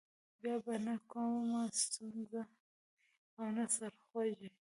بیا به نه کومه ستونزه وي او نه سر خوږی.